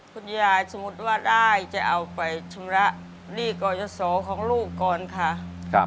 คุณยายสมมุติว่าได้จะเอาไปชำระหนี้ก่อยสอของลูกก่อนค่ะ